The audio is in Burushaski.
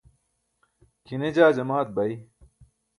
kʰine jaa jamaat bay